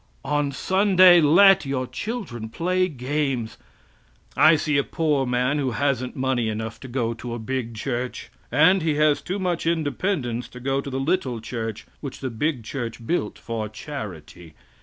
On Sunday let your children play games. I see a poor man who hasn't money enough to go to a big church, and he has too much independence to go to the little church which the big church built for charity.